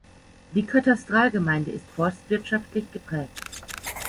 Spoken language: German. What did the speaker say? Die Katastralgemeinde ist forstwirtschaftlich geprägt.